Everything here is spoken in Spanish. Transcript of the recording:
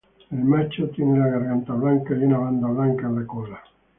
El macho tiene la garganta blanca y una banda blanca en la cola.